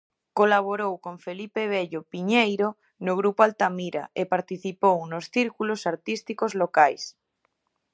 Colaborou con Felipe Bello Piñeiro no grupo Altamira e participou nos círculos artísticos locais.